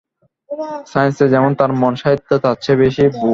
সায়ান্সে যেমন তার মন সাহিত্যে তার চেয়ে বেশি বৈ কম নয়।